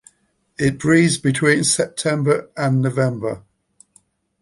It breeds between September and November.